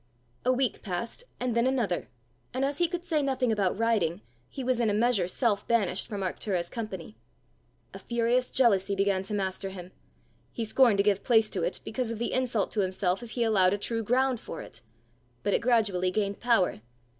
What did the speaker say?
A week passed, and then another; and as he could say nothing about riding, he was in a measure self banished from Arctura's company. A furious jealousy began to master him. He scorned to give place to it because of the insult to himself if he allowed a true ground for it. But it gradually gained power.